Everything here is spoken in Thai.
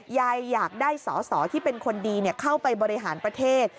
อยากได้สอสอที่เป็นคนดีเข้าไปบริหารประเทศ